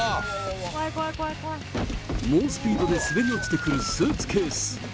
猛スピードで滑り落ちてくるスーツケース。